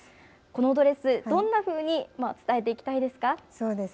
このドレス、どんなふうに伝えていきたいですか？